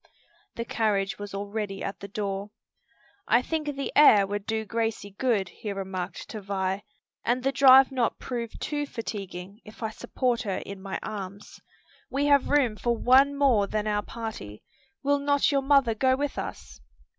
The carriage was already at the door. "I think the air would do Gracie good," he remarked to Vi, "and the drive not prove too fatiguing if I support her in my arms. We have room for one more than our party. Will not your mother go with us?"